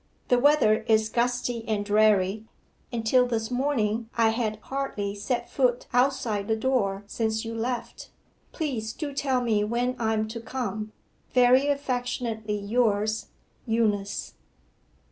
The weather is gusty and dreary, and till this morning I had hardly set foot outside the door since you left. Please do tell me when I am to come. Very affectionately yours, EUNICE.